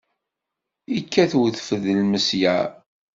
Ikkat wedfel d ilmesyar!